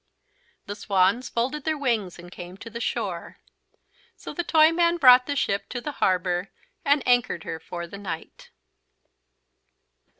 The Swans folded their wings and came to the shore. So the Toyman brought the ship to the harbour and anchored her for the night.